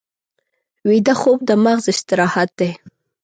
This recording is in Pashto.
ویده خوب د مغز استراحت دی